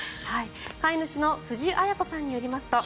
飼い主の藤あや子さんによりますと。